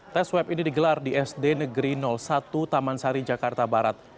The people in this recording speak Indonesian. tes swab ini digelar di sd negeri satu taman sari jakarta barat